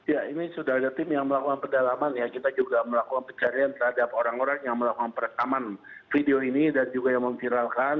ya ini sudah ada tim yang melakukan pendalaman ya kita juga melakukan pencarian terhadap orang orang yang melakukan perekaman video ini dan juga yang memviralkan